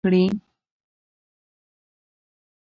دوی باید خپل اخلاق ښه کړي.